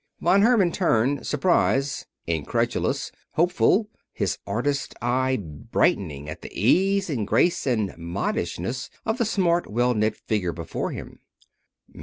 Von Herman turned, surprised, incredulous, hopeful, his artist eye brightening at the ease and grace and modishness of the smart, well knit figure before him.